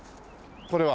これは。